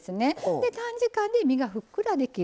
で短時間で身がふっくらできる。